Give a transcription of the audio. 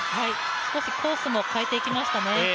少しコースも変えていきましたね。